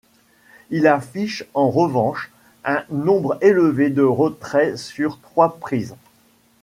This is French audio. Il affiche en revanche un nombre élevé de retraits sur trois prises.